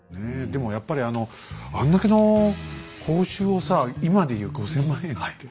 でもやっぱりあのあんだけの報酬をさ今で言う５，０００万円だっけ